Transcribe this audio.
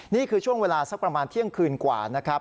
นี่คือช่วงเวลาสักประมาณเที่ยงคืนกว่านะครับ